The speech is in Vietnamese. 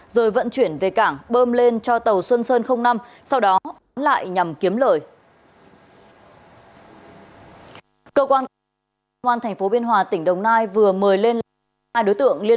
rồi vận chuyển về cảng bơm lên cho tàu xuân sơn năm sau đó lại nhằm kiếm lời